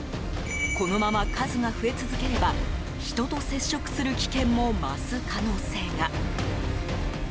このまま数が増え続ければ人と接触する危険も増す可能性が。